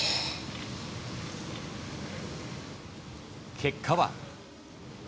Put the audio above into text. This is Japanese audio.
結果は。